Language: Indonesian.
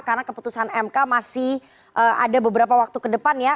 karena keputusan mk masih ada beberapa waktu ke depan ya